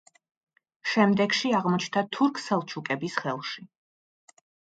შემდეგში აღმოჩნდა თურქ-სელჩუკების ხელში.